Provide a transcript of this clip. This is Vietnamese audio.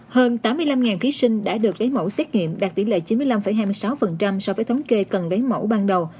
hơn tám mươi năm thí sinh đã được lấy mẫu xét nghiệm đạt tỷ lệ chín mươi năm hai mươi sáu so với thống kê cần lấy mẫu ban đầu